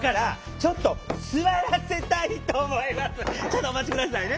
ちょっとお待ち下さいね。